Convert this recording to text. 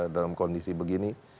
dalam kondisi begini